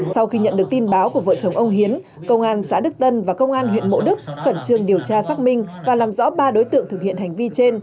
sau khi nhận được tin báo của vợ chồng ông hiến công an xã đức tân và công an huyện mộ đức khẩn trương điều tra xác minh và làm rõ ba đối tượng thực hiện hành vi trên